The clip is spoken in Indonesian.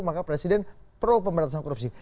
maka presiden pro pemberantasan korupsi